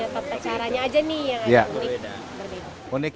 menyatakan caranya aja nih yang unik